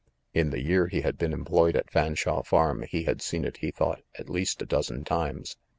In the year he had been employed at Fan shawe Farm he had seen it, he thought, at least a dozen times.